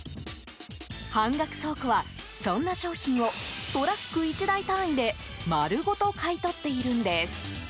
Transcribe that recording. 半額倉庫は、そんな商品をトラック１台単位で丸ごと買い取っているんです。